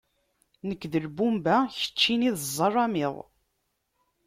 Nekk d lbumba, keččini d zzalimiḍ.